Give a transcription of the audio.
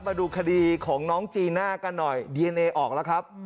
มาดูคดีของน้องจีน่ากันหน่อยดีเอนเอออกแล้วครับ